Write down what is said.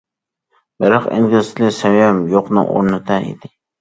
بىراق ئىنگلىز تىلى سەۋىيەم يوقنىڭ ئورنىدا ئىدى.